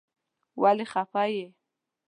ولی خپه یی ؟